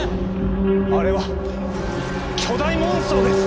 あれは巨大モンストロです！